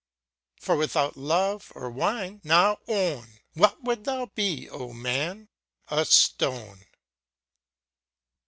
For without love, or wine, now own ! What wouldst thou be, O man ? A stone.